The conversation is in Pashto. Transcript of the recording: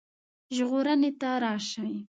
ژغورني ته راشي.